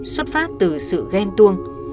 xuất phát từ sự ghen tuông